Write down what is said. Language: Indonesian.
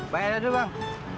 bayar dulu bang